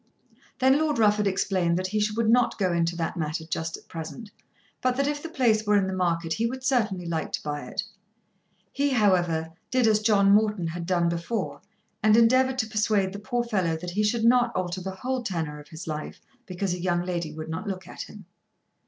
Then Lord Rufford explained that he would not go into that matter just at present, but that if the place were in the market he would certainly like to buy it. He, however, did as John Morton had done before, and endeavoured to persuade the poor fellow that he should not alter the whole tenor of his life because a young lady would not look at him.